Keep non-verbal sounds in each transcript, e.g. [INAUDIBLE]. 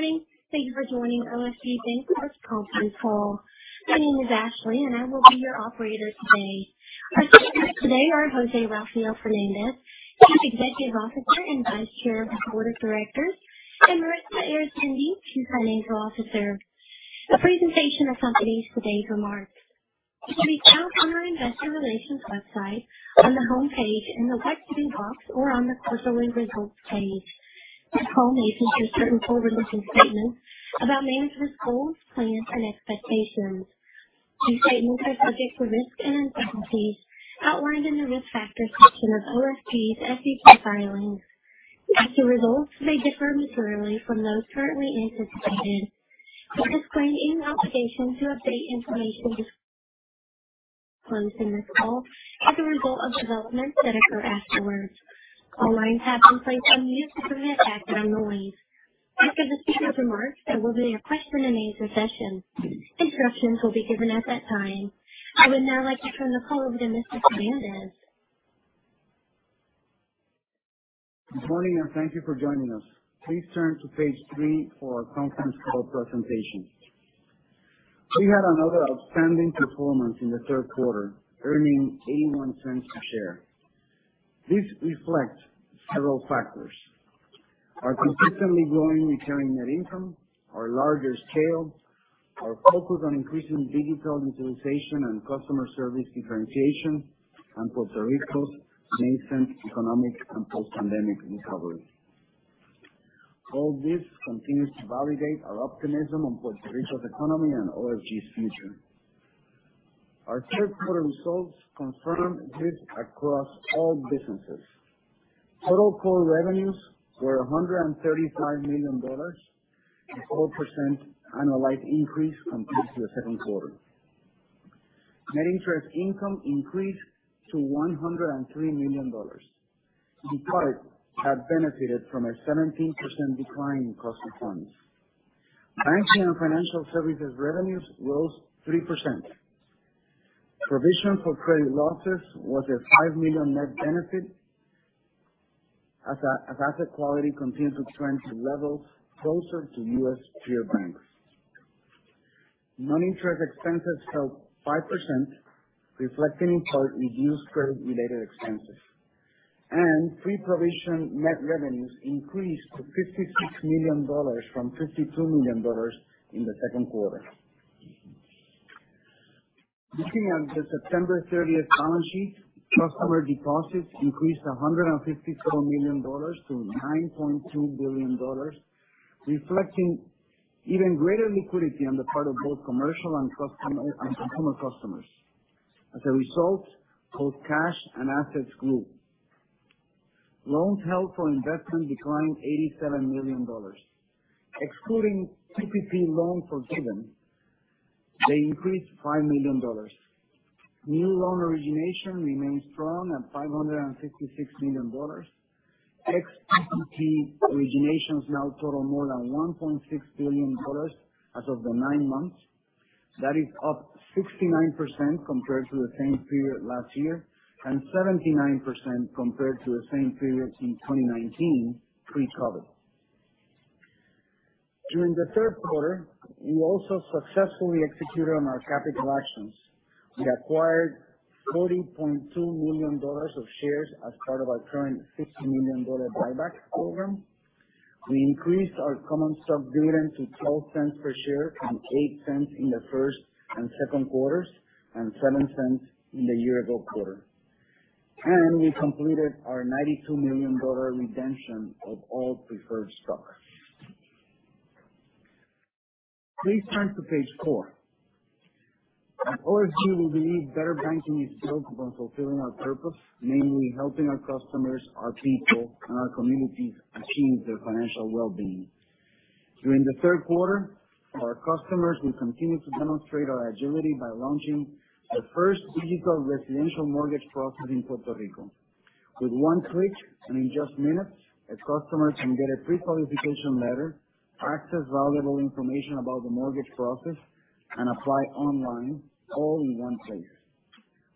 Good morning. Thank you for joining OFG Bancorp's conference call. My name is Ashley, and I will be your operator today. Our speakers today are José Rafael Fernández, Chief Executive Officer and Vice Chair of the Board of Directors, and Maritza Arizmendi Diaz, Chief Financial Officer. A presentation accompanies today's remarks, which can be found on our investor relations website on the homepage in the webcasting box or on the quarterly results page. This call may consist of forward-looking statements about management's goals, plans, and expectations. These statements are subject to risks and uncertainties outlined in the risk factor section of OFG's SEC filings. Actual results may differ materially from those currently anticipated. We disclaim any obligation to update information disclosed in this call as a result of developments that occur afterwards. All lines have been placed on mute to prevent background noise. After the speakers' remarks, there will be a question-and-answer session. Instructions will be given at that time. I would now like to turn the call over to Mr. Fernández. Good morning and thank you for joining us. Please turn to page three for our conference call presentation. We had another outstanding performance in the third quarter, earning $0.81 a share. This reflects several factors. Our consistently growing recurring net income, our larger scale, our focus on increasing digital utilization and customer service differentiation, and Puerto Rico's nascent economic and post-pandemic recovery. All this continues to validate our optimism on Puerto Rico's economy and OFG's future. Our third quarter results confirm this across all businesses. Total core revenues were $135 million, a 4% annualized increase compared to the second quarter. Net interest income increased to $103 million. In part, that benefited from a 17% decline in cost of funds. Banking and financial services revenues rose 3%. Provision for credit losses was a $5 million net benefit as our asset quality continued to trend to levels closer to U.S. peer banks. Non-interest expenses fell 5%, reflecting in part reduced credit-related expenses. Pre-provision net revenues increased to $56 million from $52 million in the second quarter. Looking at the September 30th balance sheet, customer deposits increased $154 million to $9.2 billion, reflecting even greater liquidity on the part of both commercial and customer customers. As a result, both cash and assets grew. Loans held for investment declined $87 million. Excluding PPP loans forgiven, they increased $5 million. New loan origination remains strong at $566 million. Ex-PPP originations now total more than $1.6 billion as of the nine months. That is up 69% compared to the same period last year and 79% compared to the same period in 2019, pre-COVID. During the third quarter, we also successfully executed on our capital actions. We acquired $40.2 million of shares as part of our current $50 million buyback program. We increased our common stock dividend to $0.12 per share from $0.08 in the first and second quarters and $0.07 in the year-ago quarter. We completed our $92 million redemption of all preferred stock. Please turn to page four. At OFG, we believe better banking is built upon fulfilling our purpose, namely helping our customers, our people, and our communities achieve their financial well-being. During the third quarter, for our customers, we continued to demonstrate our agility by launching the first digital residential mortgage process in Puerto Rico. With one click and in just minutes, a customer can get a pre-qualification letter, access valuable information about the mortgage process, and apply online all in one place.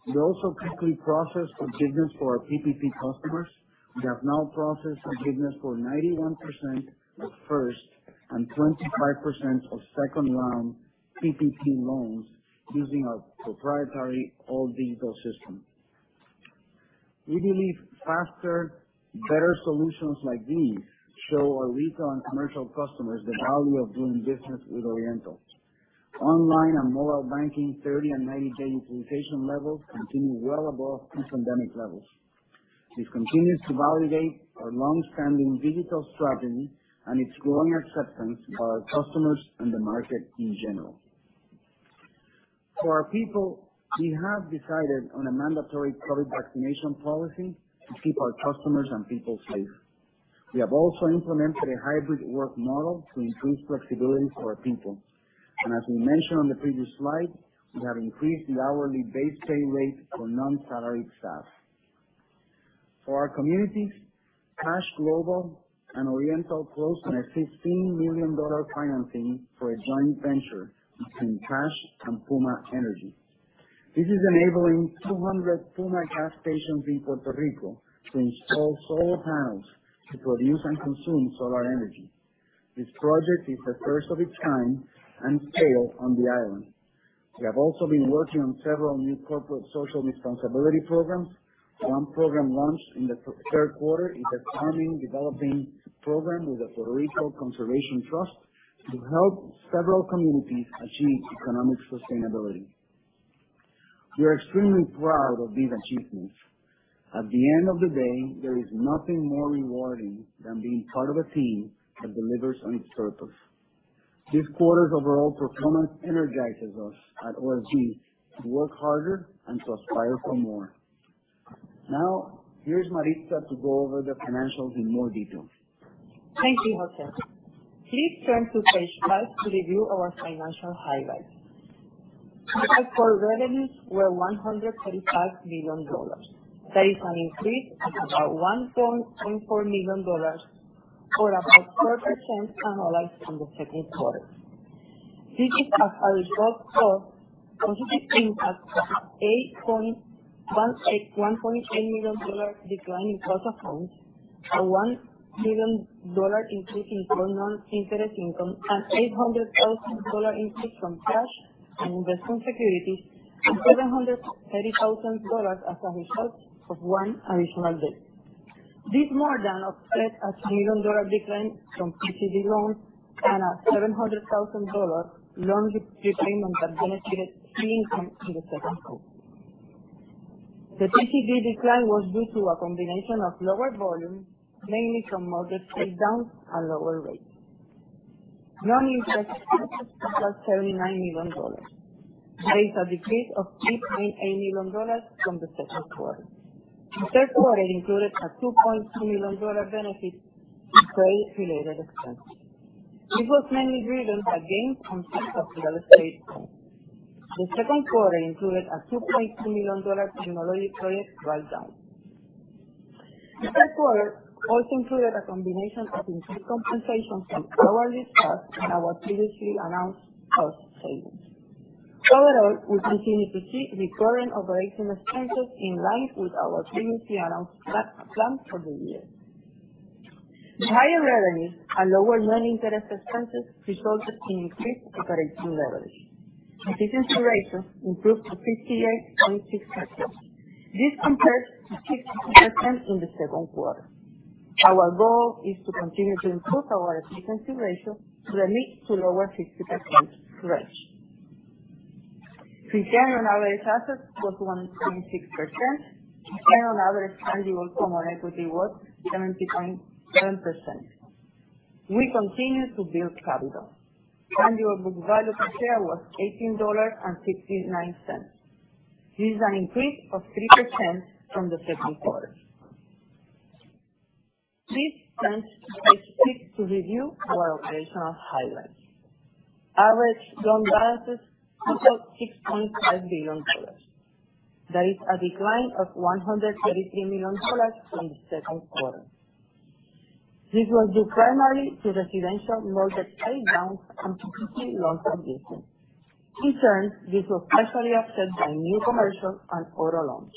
We also quickly processed forgiveness for our PPP customers. We have now processed forgiveness for 91% of first and 25% of second-round PPP loans using our proprietary all-digital system. We believe faster, better solutions like these show our retail and commercial customers the value of doing business with Oriental. Online and mobile banking 30- and 90-day utilization levels continue well above post-pandemic levels. This continues to validate our long-standing digital strategy and its growing acceptance by our customers and the market in general. For our people, we have decided on a mandatory COVID vaccination policy to keep our customers and people safe. We have also implemented a hybrid work model to increase flexibility for our people. As we mentioned on the previous slide, we have increased the hourly base pay rate for non-salaried staff. For our communities, PASH Global and Oriental closed on a $15 million financing for a joint venture between PASH and Puma Energy. This is enabling 200 Puma gas stations in Puerto Rico to install solar panels to produce and consume solar energy. This project is the first of its kind and scale on the island. We have also been working on several new corporate social responsibility programs. One program launched in the third quarter is a farming developing program with the Conservation Trust of Puerto Rico to help several communities achieve economic sustainability. We are extremely proud of these achievements. At the end of the day, there is nothing more rewarding than being part of a team that delivers on its purpose. This quarter's overall performance energizes us at OFG to work harder and to aspire for more. Here's Maritza to go over the financials in more detail. Thank you, José. Please turn to page five to review our financial highlights. As for revenues, were $135 million. That is an increase of about $1.4 million, or about 4% annualized from the second quarter. This is as a result of a consistent impact of $8.18 million decline in cost of funds, a $1 million increase in core non-interest income, an $800,000 increase from cash and investment securities, and $730,000 as a result of one additional day. This more than offset a $1 million decline from CD loans and a $700,000 loan prepayment that benefited fee income in the second quarter. The GDP decline was due to a combination of lower volume, mainly from mortgage paydowns and lower rates. Non-interest expenses totaled $79 million. That is a decrease of $3.8 million from the second quarter. The third quarter included a $2.2 million benefit in pay-related expenses. This was mainly driven by gains from sales of real estate loans. The second quarter included a $2.2 million technology project write-down. The third quarter also included a combination of increased compensation from lower lease costs and our previously announced cost savings. Overall, we continue to see recurring operating expenses in line with our previously announced plans for the year. The higher revenues and lower non-interest expenses resulted in increased operating leverage. Efficiency ratio improved to 58.6%. This compares to 62% in the second quarter. Our goal is to continue to improve our efficiency ratio to the mid-to-lower 60% range. Return on average assets was 1.6%, return on average tangible common equity was 17.7%. We continue to build capital. Tangible book value per share was $18.69. This is an increase of 3% from the second quarter. Please turn to page six to review our operational highlights. Average loan balances totaled $6.5 billion. That is a decline of $133 million from the second quarter. This was due primarily to residential mortgage paydowns and TCD loan reductions. In turn, this was partially offset by new commercial and auto loans.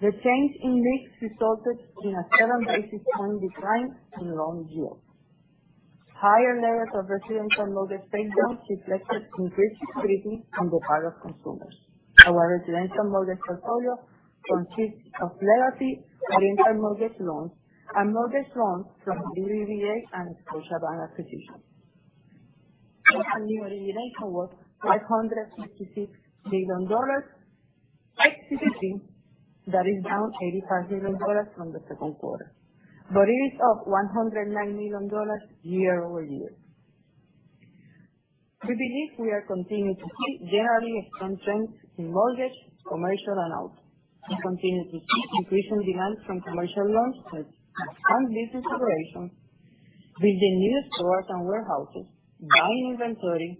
The change in mix resulted in a seven-basis point decline in loan yields. Higher levels of residential mortgage paydowns reflected increased liquidity on the part of consumers. Our residential mortgage portfolio consists of Legacy Oriental Mortgage loans and mortgage loans from the BBVA and Scotiabank acquisitions. Our new origination was $556 million, that is down $85 million from the second quarter, but it is up $109 million year-over-year. We believe we are continuing to see generally strong trends in mortgage, commercial, and auto. We continue to see increasing demand from commercial loan spreads and business operations, building new stores and warehouses, buying inventory,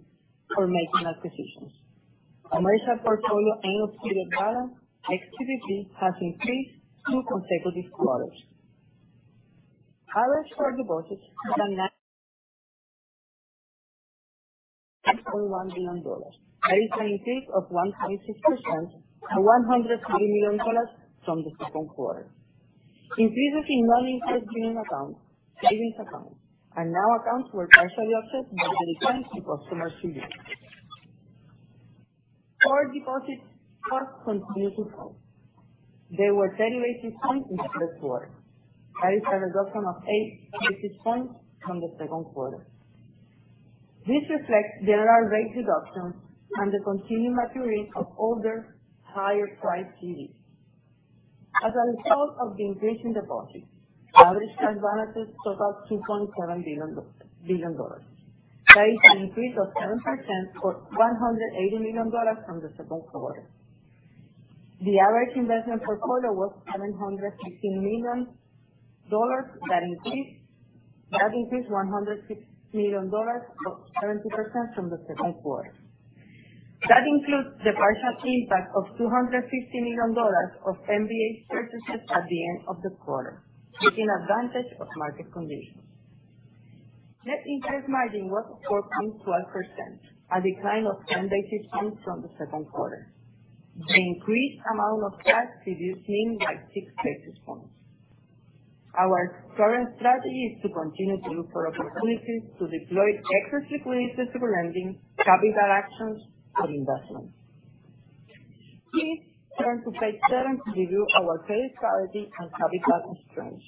or making acquisitions. Commercial portfolio annual period balance activity has increased two consecutive quarters. Average core deposits was $9.1 billion. That is an increase of 1.6%, or $140 million from the second quarter. Increases in non-interest-bearing accounts, savings accounts, and now accounts were partially offset by the return to customer CD. Core deposit costs continue to fall. They were 10 basis points in the third quarter. That is a reduction of eight basis points from the second quarter. This reflects general rate reductions and the continuing maturity of older, higher-priced CDs. As a result of the increase in deposits, average cash balances totaled $2.7 billion. That is an increase of 7%, or $180 million from the second quarter. The average investment portfolio was $715 million. That increased $160 million, or 70% from the second quarter. That includes the partial impact of $250 million of MBS purchases at the end of the quarter, taking advantage of market conditions. Net interest margin was 4.12%, a decline of 10 basis points from the second quarter. The increased amount of tax reduced NIM by 6 basis points. Our current strategy is to continue to look for opportunities to deploy excess liquidity through lending, capital actions, and investments. Please turn to page seven to review our credit quality and capital strength.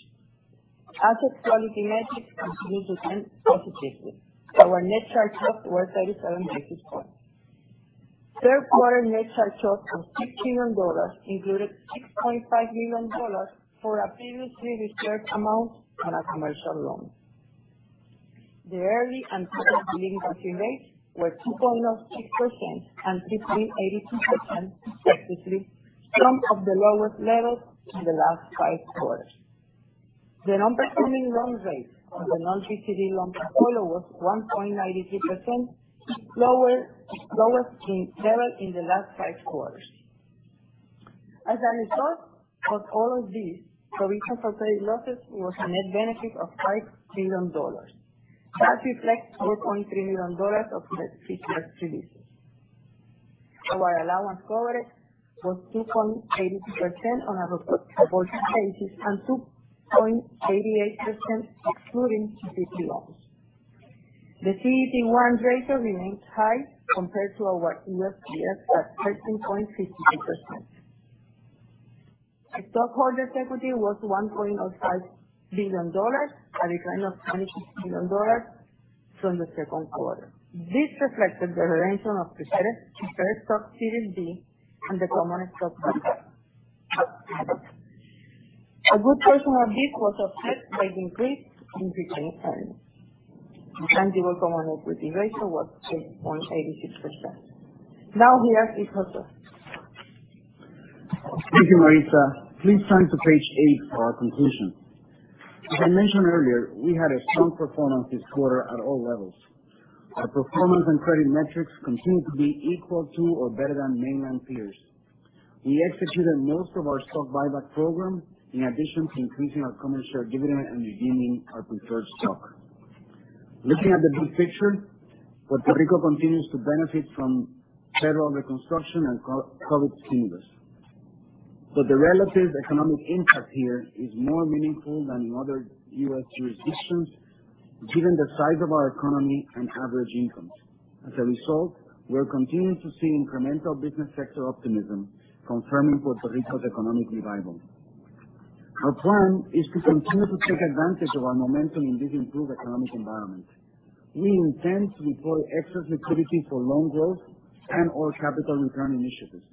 Asset quality metrics continue to trend positively. Our net charge-offs were 37 basis points. Third quarter net charge-offs of $6 million included $6.5 million for a previously reserved amount on a commercial loan. The early and total delinquency rates were 2.6% and 15.82%, respectively, some of the lowest levels in the last five quarters. The nonperforming loan rate on the non-GCD loan portfolio was 1.93%, lowest in level in the last five quarters. As a result of all of this, provision for credit losses was a net benefit of $5 million. That reflects $4.3 million of. [INAUDIBLE] Our allowance coverage was 2.82% on a reported basis and 2.88% excluding GCD loans. The CET1 ratio remains high compared to our U.S. peers at 13.52%. Stockholder's equity was $1.05 billion, a decline of $22 million from the second quarter. This reflected the redemption of preferred stock Series B and the common stock dividend. A good portion of this was offset by the increase in retained earnings. Tangible common equity ratio was 6.86%. Now we ask José. Thank you, Maritza. Please turn to page eight for our conclusion. As I mentioned earlier, we had a strong performance this quarter at all levels. Our performance and credit metrics continue to be equal to or better than mainland peers. We executed most of our stock buyback program, in addition to increasing our common share dividend and redeeming our preferred stock. Looking at the big picture, Puerto Rico continues to benefit from federal reconstruction and COVID stimulus. The relative economic impact here is more meaningful than in other U.S. jurisdictions, given the size of our economy and average incomes. As a result, we are continuing to see incremental business sector optimism, confirming Puerto Rico's economic revival. Our plan is to continue to take advantage of our momentum in this improved economic environment. We intend to deploy excess liquidity for loan growth and/or capital return initiatives.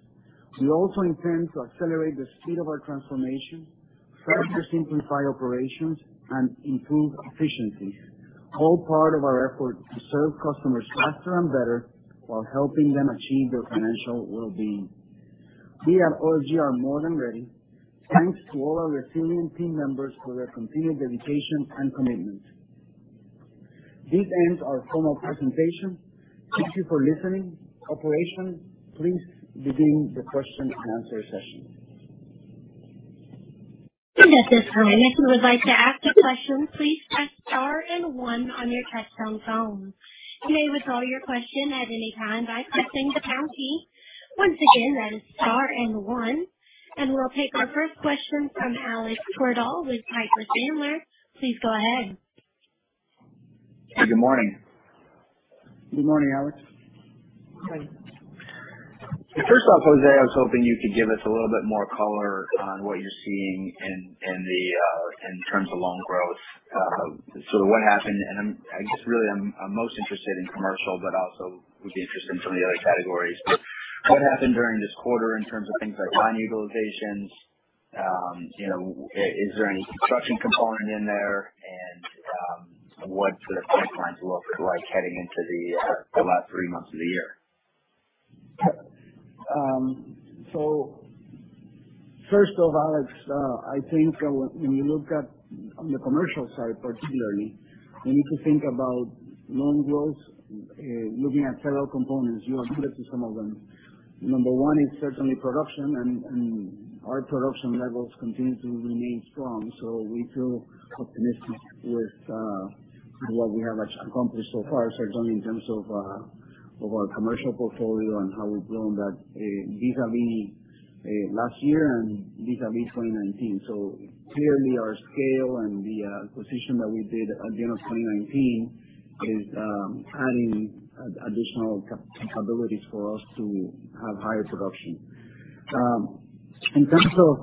We also intend to accelerate the speed of our transformation, further simplify operations, and improve efficiency, all part of our effort to serve customers faster and better while helping them achieve their financial well-being. We at OFG are more than ready. Thanks to all our resilient team members for their continued dedication and commitment. This ends our formal presentation. Thank you for listening. Operator, please begin the question and answer session. We'll take our first question from Alexander Twerdahl with Piper Sandler. Please go ahead. Good morning. Good morning, Alex. Good morning. First off, José, I was hoping you could give us a little bit more color on what you're seeing in terms of loan growth. What happened, and I guess really I'm most interested in commercial, but also would be interested in some of the other categories. What happened during this quarter in terms of things like line utilizations? Is there any construction component in there? What do the pipelines look like heading into the last three months of the year? First off, Alex, I think when you look at the commercial side, particularly, you need to think about loan growth, looking at several components. You alluded to some of them. Number one is certainly production, and our production levels continue to remain strong. We feel optimistic with what we have accomplished so far, certainly in terms of our commercial portfolio and how we've grown that vis-à-vis last year and vis-à-vis 2019. Clearly our scale and the acquisition that we did at the end of 2019 is adding additional capabilities for us to have higher production. In terms of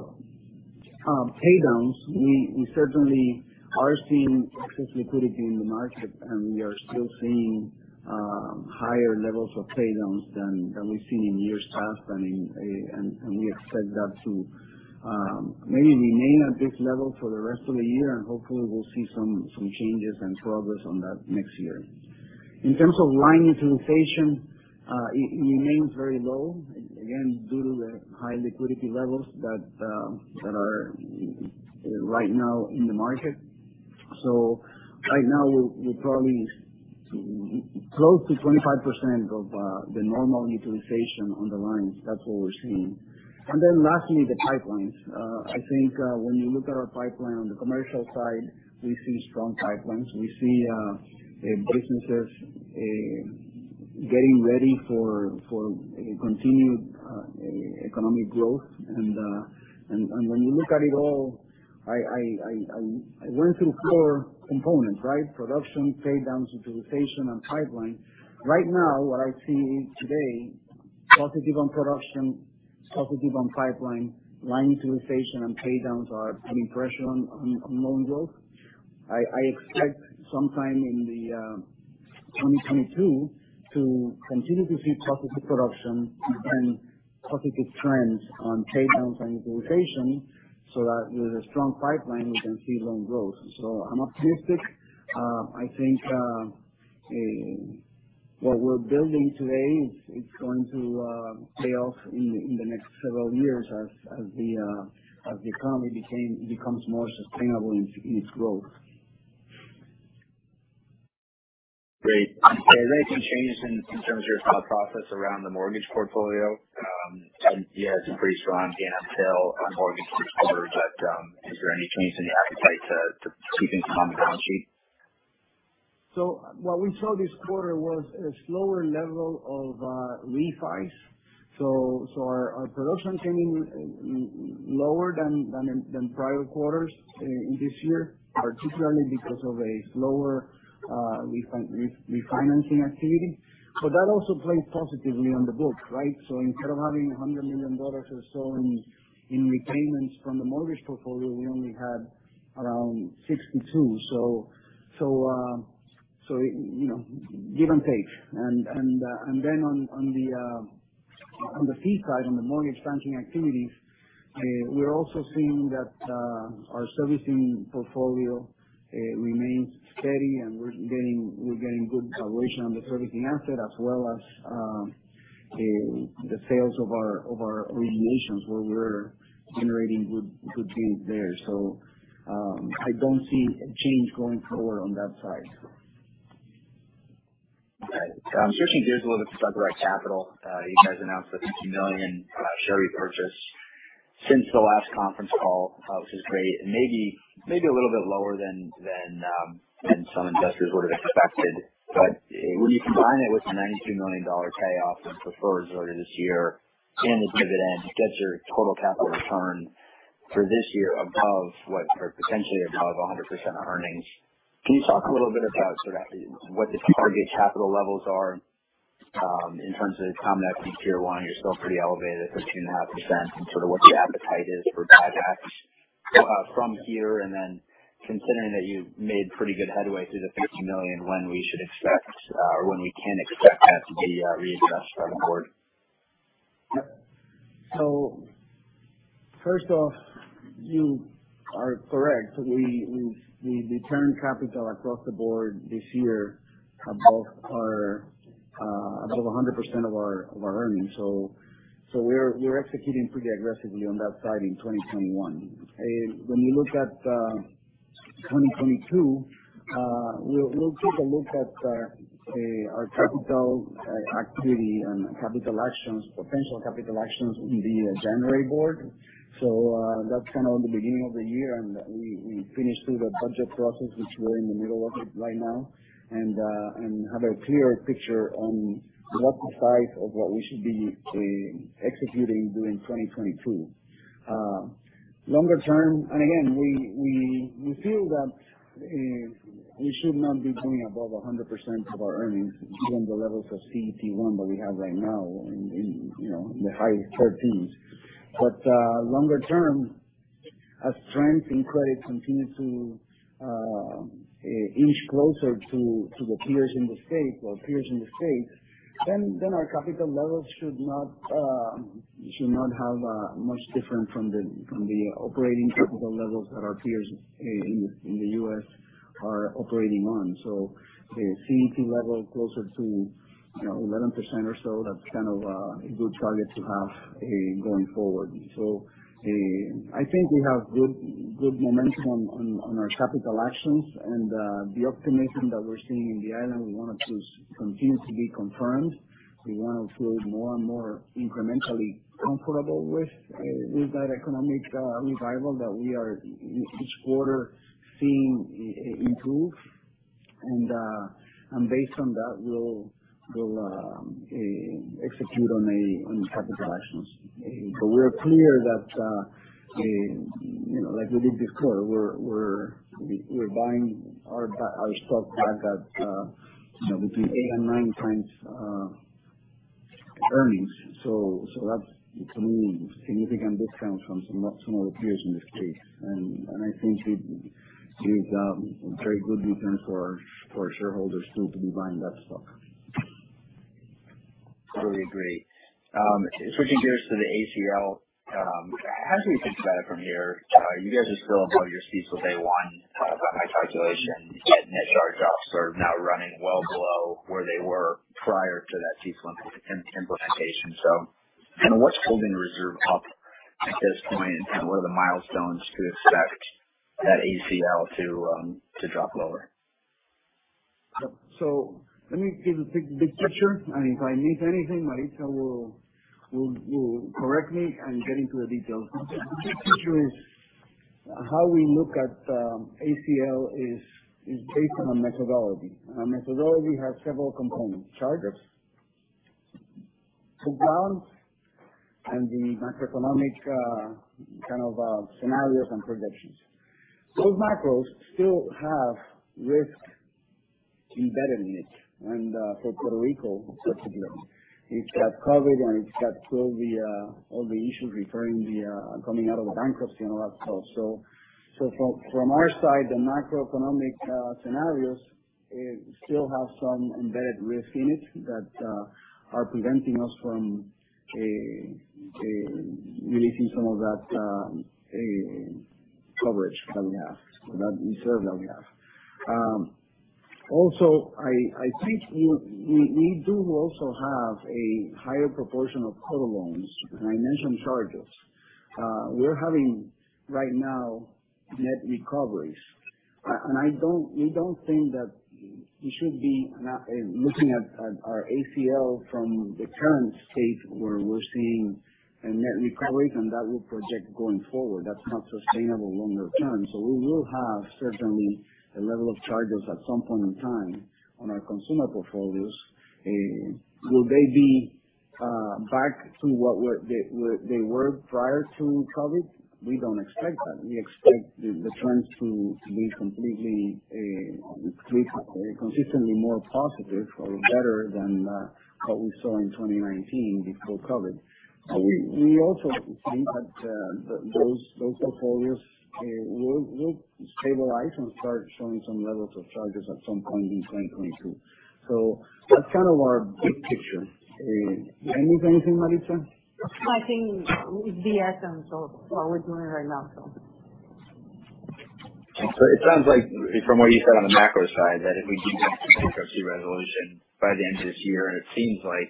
paydowns, we certainly are seeing excess liquidity in the market, and we are still seeing higher levels of paydowns than we've seen in years past. We expect that to maybe remain at this level for the rest of the year, and hopefully we will see some changes and progress on that next year. In terms of line utilization, it remains very low, again, due to the high liquidity levels that are right now in the market. Right now, we probably close to 25% of the normal utilization on the lines. That's what we're seeing. Lastly, the pipelines. I think when you look at our pipeline on the commercial side, we see strong pipelines. We see businesses getting ready for continued economic growth. When you look at it all, I went through four components, right? Production, paydowns, utilization, and pipeline. Right now, what I see today, positive on production, positive on pipeline, line utilization and paydowns are putting pressure on loan growth. I expect sometime in 2022 to continue to see positive production and positive trends on paydowns and utilization, that with a strong pipeline, we can see loan growth. I'm optimistic. I think what we're building today, it's going to pay off in the next several years as the economy becomes more sustainable in its growth. Great. Has anything changed in terms of your thought process around the mortgage portfolio? You had some pretty strong GNMA sale on mortgage this quarter, but is there any change in the appetite to keep things on the balance sheet? What we saw this quarter was a slower level of refis. Our production came in lower than prior quarters in this year, particularly because of a slower refinancing activity. That also plays positively on the books, right? Instead of having $100 million or so in repayments from the mortgage portfolio, we only had around $62. Give and take. Then on the fee side, on the mortgage banking activities, we're also seeing that our servicing portfolio remains steady and we're getting good valuation on the servicing asset as well as the sales of our originations, where we're generating good deals there. I don't see a change going forward on that side. Got it. Switching gears a little bit to talk about capital. You guys announced the $50 million share repurchase since the last conference call, which is great, and maybe a little bit lower than some investors would have expected. When you combine it with the $92 million payoff of preferred earlier this year and this dividend, gets your total capital return for this year above what, or potentially above 100% of earnings. Can you talk a little bit about sort of what the target capital levels are in terms of common equity tier one? You're still pretty elevated at 13.5% and sort of what the appetite is for buybacks from here. And then considering that you've made pretty good headway through the $50 million, when we should expect, or when we can expect that to be readdressed by the board. Yep. First off, you are correct. We returned capital across the board this year above 100% of our earnings. We're executing pretty aggressively on that side in 2021. When we look at 2022, we'll take a look at our capital activity and capital actions, potential capital actions in the January board. That's kind of the beginning of the year, and we finish through the budget process, which we're in the middle of it right now, and have a clear picture on what the size of what we should be executing during 2022. Longer term, again, we feel that we should not be doing above 100% of our earnings given the levels of CET1 that we have right now in the high 13%. Longer term, as strength in credit continues to inch closer to the peers in the state or peers in the space, then our capital levels should not have much different from the operating capital levels that our peers in the U.S. are operating on. A CET1 level closer to 11% or so, that's kind of a good target to have going forward. I think we have good momentum on our capital actions and the optimism that we're seeing in the island, we want it to continue to be confirmed. We want to feel more and more incrementally comfortable with that economic revival that we are each quarter seeing improve. Based on that, we'll execute on the capital actions. We're clear that, like we did this quarter, we're buying our stock back at between 8x and 9x earnings. That's a significant discount from some of the peers in the space. I think we've very good returns for our shareholders too, to be buying that stock. Totally agree. Switching gears to the ACL.How should we think about it from here? You guys are still above your CECL Day One high calculation, yet net charge-offs are now running well below where they were prior to that CECL implementation. What's holding the reserve up at this point, and what are the milestones to expect that ACL to drop lower? Let me give the big picture, and if I miss anything, Maritza will correct me and get into the details. The big picture is how we look at ACL is based on a methodology. Our methodology has several components, charges, defaults, and the macroeconomic scenarios and projections. Those macros still have risk embedded in it, and for Puerto Rico, specifically. It's got COVID and it's got all the issues coming out of the bankruptcy and all that. From our side, the macroeconomic scenarios still have some embedded risk in it that are preventing us from releasing some of that coverage that we have, that reserve that we have. I think we do also have a higher proportion of COVID loans. When I mention charges, we're having, right now, net recoveries. We don't think that we should be looking at our ACL from the current state where we're seeing a net recovery and that will project going forward. That's not sustainable longer term. We will have certainly a level of charges at some point in time on our consumer portfolios. Will they be back to what they were prior to COVID? We don't expect that. We expect the trends to be completely, consistently more positive or better than what we saw in 2019 before COVID. We also think that those portfolios will stabilize and start showing some levels of charges at some point in 2022. That's our big picture. Did I miss anything, Maritza? I think it's the essence of what we're doing right now. It sounds like from what you said on the macro side, that if we do get the bankruptcy resolution by the end of this year, and it seems like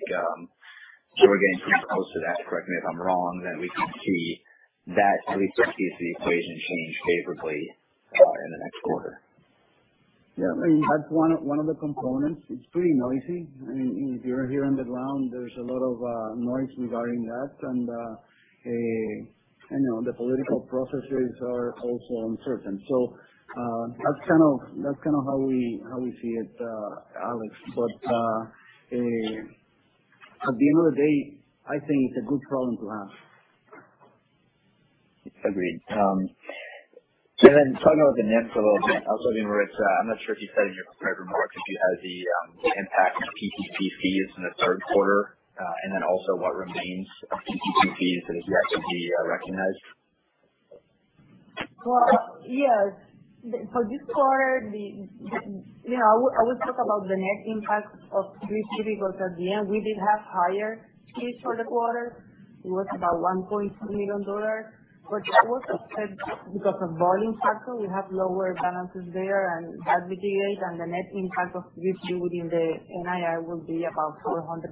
we're getting pretty close to that, correct me if I'm wrong, then we could see that at least piece of the equation change favorably in the next quarter. Yeah. That's one of the components. It's pretty noisy. If you're here on the ground, there's a lot of noise regarding that, and the political processes are also uncertain. That's how we see it, Alex. At the end of the day, I think it's a good problem to have. Agreed. Talking about the NIM a little bit, also even Maritza, I'm not sure if you said in your prepared remarks if you had the impact of PPP fees in the third quarter, and then also what remains of PPP fees that is yet to be recognized. Well, yes. For this quarter, I will talk about the net impact of PPP because at the end, we did have higher fees for the quarter. It was about $1.2 million. That was offset because of volume factor. We have lower balances there and as we delayed. The net impact of PPP within the NII will be about $200,000.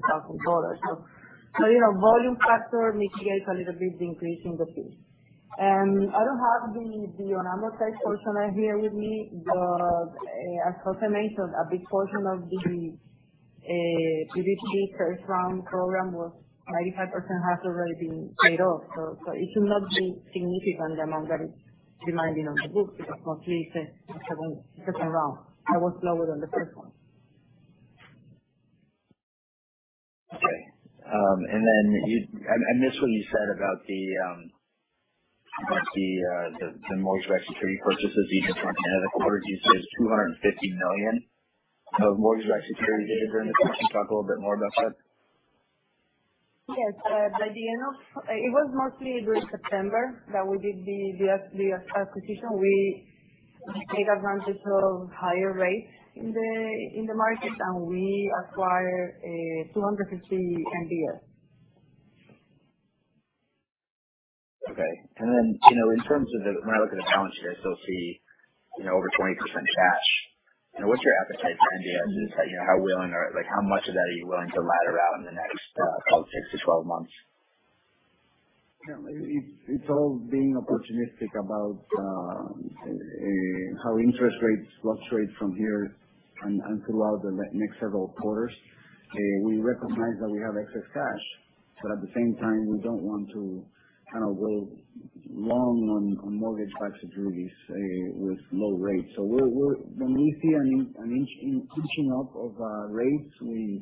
Volume factor mitigates a little bit the increase in the fees. I don't have the denominator portion here with me. As José mentioned, a big portion of [INAUDIBLE] program was 95% has already been paid off. It should not be a significant amount that is remaining on the books because mostly it's the second round and was lower than the first one. Okay. I missed what you said about the mortgage-backed security purchases you just went into. The quarter, you said it was $250 million of mortgage-backed securities that you did during the quarter. Can you talk a little bit more about that? Yes. It was mostly during September that we did the acquisition. We take advantage of higher rates in the market, and we acquired $250 MBS. Okay. In terms of when I look at the balance sheet, I still see over 20% cash. What's your appetite for MBS? How much of that are you willing to ladder out in the next probably 6-12 months? Yeah. It's all being opportunistic about how interest rates fluctuate from here and throughout the next several quarters. We recognize that we have excess cash. At the same time, we don't want to go long on mortgage-backed securities with low rates. When we see an inching up of rates, we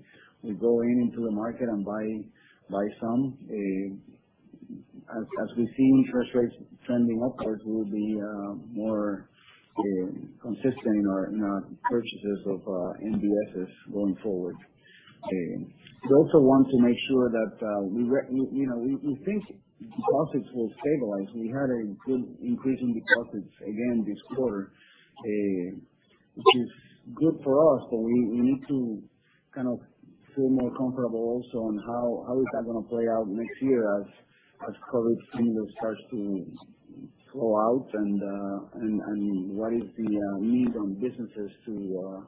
go into the market and buy some. As we see interest rates trending upwards, we'll be more consistent in our purchases of MBSs going forward. We also want to make sure we think deposits will stabilize. We had a good increase in deposits again this quarter, which is good for us. We need to feel more comfortable also on how is that going to play out next year as COVID stimulus starts to flow out and what is the need on businesses to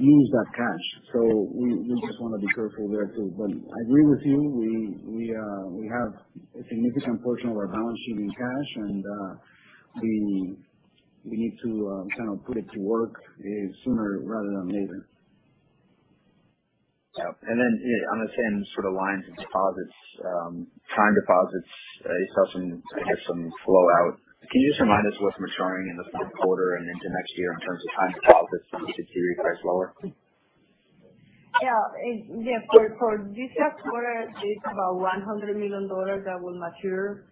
use that cash. We just want to be careful there too. I agree with you. We have a significant portion of our balance sheet in cash, and we need to put it to work sooner rather than later. Yeah. Then on the same lines of deposits, time deposits, you saw some, I guess, some flow out. Can you just remind us of what's maturing in the fourth quarter and into next year in terms of time deposits and security prices lower? Yeah. For this quarter, it's about $100 million that will mature.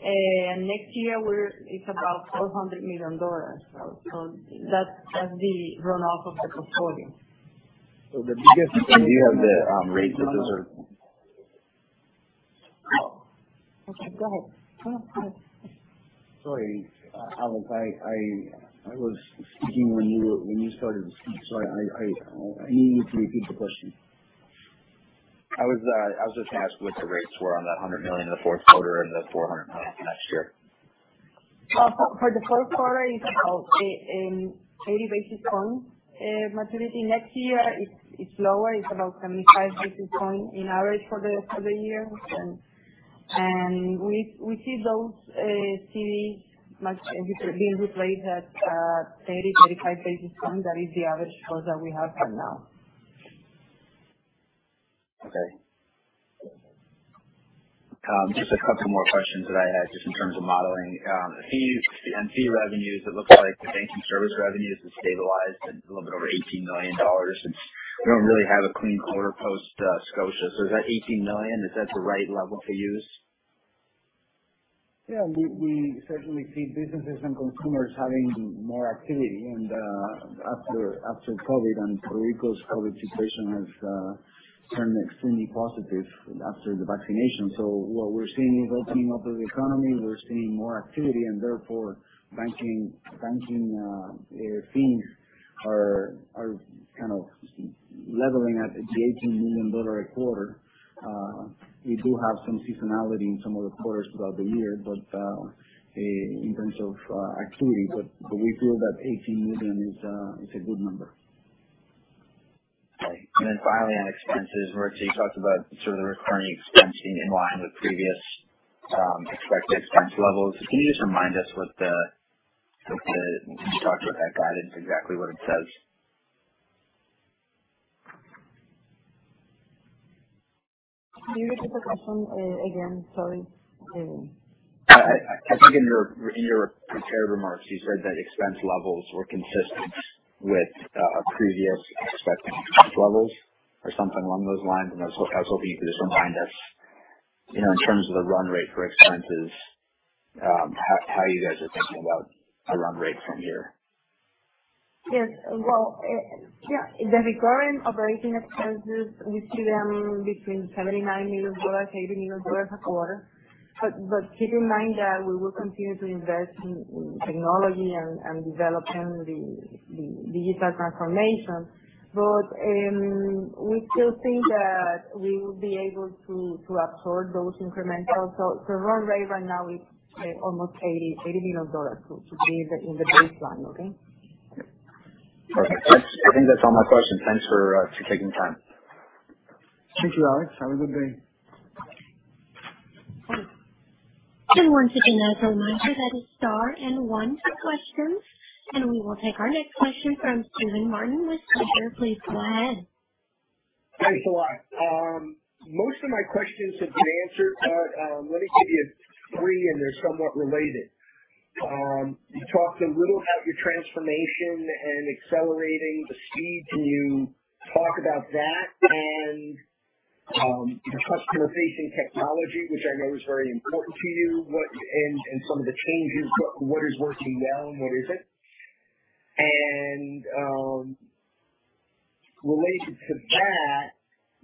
Next year it's about $400 million. That's the runoff of the portfolio. So the biggest- Do you have the rates that those are- [INAUDIBLE] Sorry, Alex. I was speaking when you started to speak, so I need you to repeat the question. I was just going to ask what the rates were on that $100 million in the fourth quarter and the $400 million next year. For the fourth quarter, it's about 80 basis points maturity. Next year it's lower. It's about 75 basis points in average for the year. We see those CDs being replaced at 30-35 basis points. That is the average flow that we have right now. Okay. Just a couple more questions that I had just in terms of modeling. Fees and fee revenues, it looks like the banking service revenues have stabilized at a little bit over $18 million since we don't really have a clean quarter post Scotia. Is that $18 million, is that the right level to use? Yeah, we certainly see businesses and consumers having more activity and after COVID and Puerto Rico's COVID situation has turned extremely positive after the vaccination. What we're seeing is opening up of the economy, we're seeing more activity and therefore banking fees are kind of leveling at the $18 million a quarter. We do have some seasonality in some of the quarters throughout the year in terms of activity. We feel that $18 million is a good number. Okay. Finally on expenses, [INAUDIBLE] you talked about sort of the recurring expense being in line with previous expected expense levels. Can you talk to what that guidance exactly what it says? Can you repeat the question again? Sorry. I think in your prepared remarks you said that expense levels were consistent with previous expected expense levels or something along those lines. I was hoping you could just remind us, in terms of the run rate for expenses, how you guys are thinking about a run rate from here. Yes. Well, yeah, the recurring operating expenses, we see them between $79 million, $80 million per quarter. Keep in mind that we will continue to invest in technology and developing the digital transformation. We still think that we will be able to absorb those incrementals. The run rate right now is almost $80 million, so it should be in the baseline. Okay? Perfect. I think that's all my questions. Thanks for taking time. Thank you, Alex. Have a good day. Once again, as a reminder, that is star and one for questions. We will take our next question from Steven Martin with Susquehanna. Please go ahead. Thanks a lot. Most of my questions have been answered. Let me give you three and they're somewhat related. You talked a little about your transformation and accelerating the speed. Can you talk about that and the customer-facing technology, which I know is very important to you, and some of the changes? What is working well and what isn't? Related to that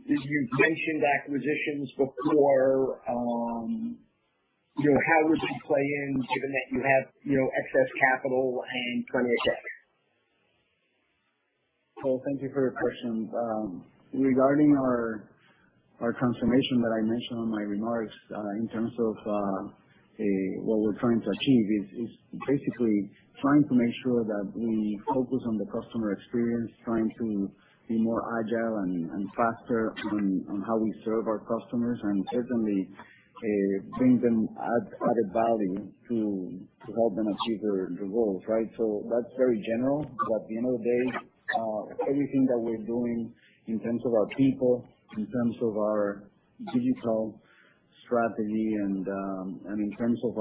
is you've mentioned acquisitions before. How would you play in given that you have excess capital and plenty of check? Well, thank you for your question. Regarding our transformation that I mentioned on my remarks, in terms of what we're trying to achieve is basically trying to make sure that we focus on the customer experience, trying to be more agile and faster on how we serve our customers and certainly bring them added value to help them achieve their goals, right? That's very general. At the end of the day, everything that we're doing in terms of our people, in terms of our digital strategy, and in terms of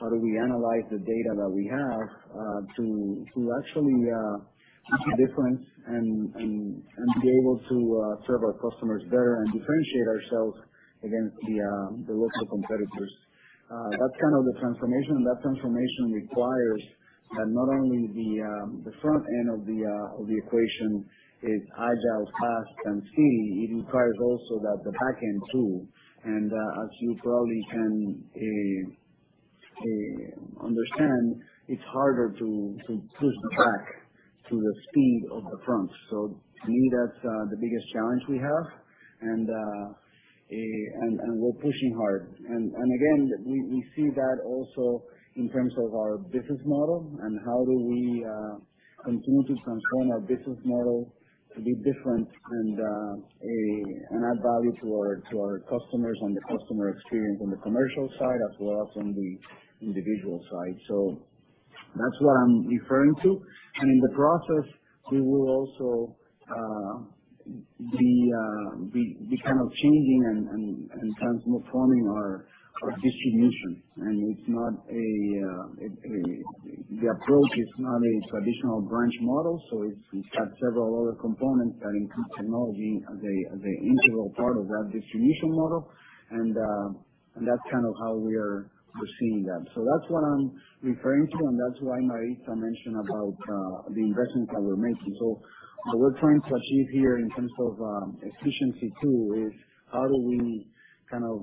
how do we analyze the data that we have to actually make a difference and be able to serve our customers better and differentiate ourselves against the local competitors, that's kind of the transformation. That transformation requires that not only the front end of the equation is agile, fast, and skinny. It requires also that the back end too. As you probably can understand, it's harder to push the back to the speed of the front. To me, that's the biggest challenge we have, and we're pushing hard. Again, we see that also in terms of our business model and how do we continue to transform our business model to be different and add value to our customers on the customer experience on the commercial side, as well as on the individual side. That's what I'm referring to. In the process, we will also be kind of changing and transforming our distribution. The approach is not a traditional branch model, so it's got several other components that include technology as a integral part of that distribution model. That's kind of how we are pursuing that. That's what I'm referring to, and that's why Maritza mentioned about the investments that we're making. What we're trying to achieve here in terms of efficiency too is how do we kind of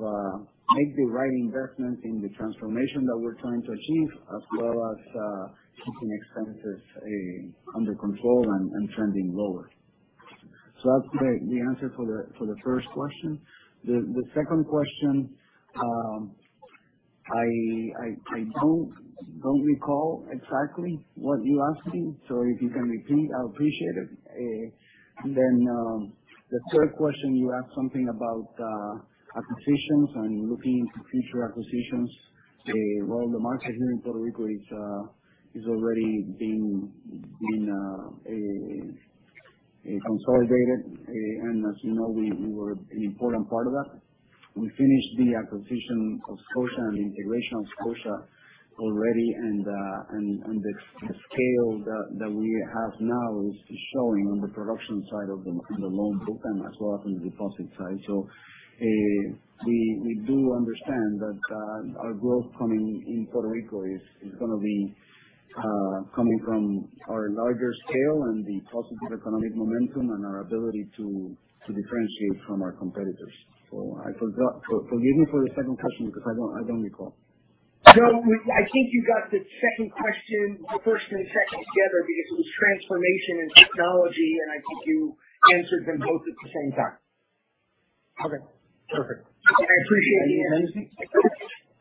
make the right investment in the transformation that we're trying to achieve, as well as keeping expenses under control and trending lower. That's the answer for the first question. The second question, I don't recall exactly what you asking, so if you can repeat, I'll appreciate it. The third question, you asked something about acquisitions and looking into future acquisitions. Well, the market here in Puerto Rico is already being consolidated. As you know, we were an important part of that. We finished the acquisition of Scotia and the integration of Scotia already. The scale that we have now is showing on the production side of the loan book and as well as on the deposit side. We do understand that our growth coming in Puerto Rico is going to be coming from our larger scale and the positive economic momentum and our ability to differentiate from our competitors. I forgot. Forgive me for the second question because I don't recall. No, I think you got the first and second together because it was transformation and technology, and I think you answered them both at the same time. Okay, perfect. I appreciate you answering.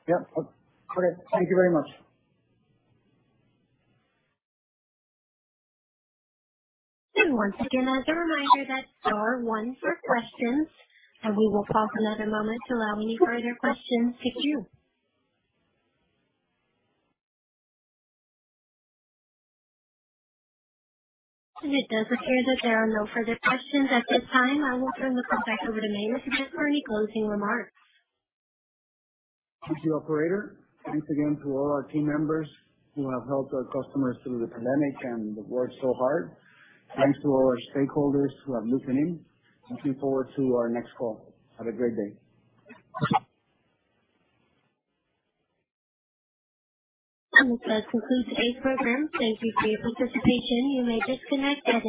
Yeah. Great. Thank you very much. Once again, as a reminder, that's star one for questions. We will pause another moment to allow any further questions to queue. It does appear that there are no further questions at this time. I will turn the call back over to [INAUDIBLE] to just for any closing remarks. Thank you, operator. Thanks again to all our team members who have helped our customers through the pandemic and have worked so hard. Thanks to all our stakeholders who have listened in. Looking forward to our next call. Have a great day. This does conclude today's program. Thank you for your participation. You may disconnect at this time.